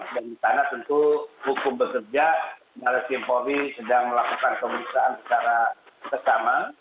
dan di sana tentu hukum bekerja mabes polri sedang melakukan pemeriksaan secara sesama